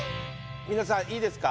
皆さんいいですか？